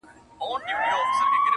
بس په پزه به پېزوان وړي په پېغور کي -